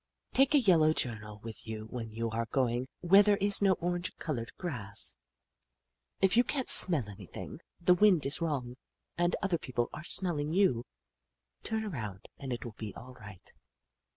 *' Take a yellow journal with you when you are going where there is no orange coloured grass. " If you can't smell anything, the wind is wrong, and other people are smelling you. Turn around and it will be all right.